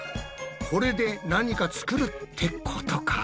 これで何か作るってことか？